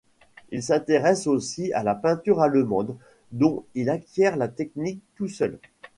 Il s'intéresse aussi à la peinture allemande dont il acquiert la technique tout seul.